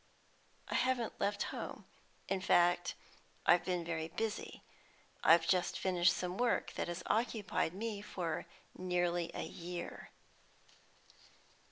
"I haven't left home. In fact, I've been very busy. I've just finished some work that has occupied me for nearly a year."